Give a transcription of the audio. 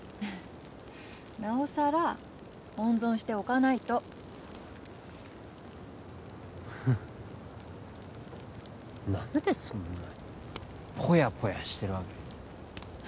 なおさら温存しておかないとふっ何でそんなポヤポヤしてるわけ？